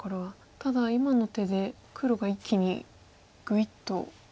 ただ今の手で黒が一気にグイッと上がりましたね